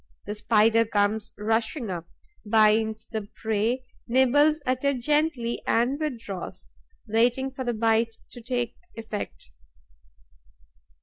The Spider comes rushing up, binds the prey, nibbles at it gently and withdraws, waiting for the bite to take effect.